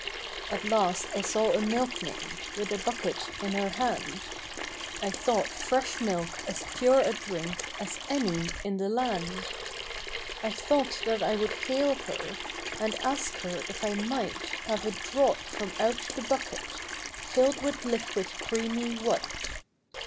At last I saw a milkmaid, With a bucket in her hand. I thought fresh milk as pure a drink As any in the land. I thought that I would hail her, And ask her if I might Have a draught from out the bucket Filled with liquid creamy white.